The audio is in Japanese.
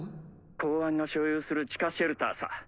公安が所有する地下シェルターさ。